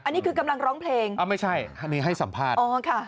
อันนี้คือกำลังร้องเพลงอ่าไม่ใช่อันนี้ให้สัมภาษณ์อ๋อค่ะ